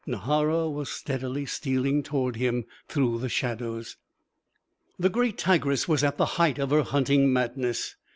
Nahara was steadily stealing toward him through the shadows. The great tigress was at the height of her hunting madness.